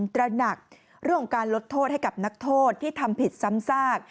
ตระหนักเรื่องของการลดโทษให้กับนักโทษที่ทำผิดซ้ำซาก